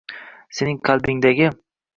Sening qalbingdagi